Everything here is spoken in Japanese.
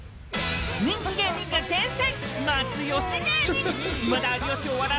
人気芸人が厳選！